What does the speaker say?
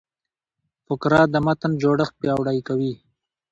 فقره د متن جوړښت پیاوړی کوي.